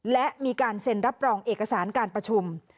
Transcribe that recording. และมีการเซ็นรับรองเอกสารการประชุม